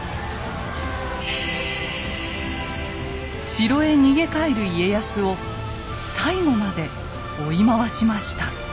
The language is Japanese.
城へ逃げ帰る家康を最後まで追い回しました。